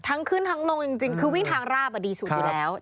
ทั้งขึ้นทั้งลงจริงคือวิ่งทางราบดีสุดอยู่แล้ว